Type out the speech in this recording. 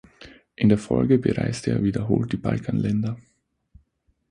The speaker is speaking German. In der Folge bereiste er wiederholt die Balkanländer.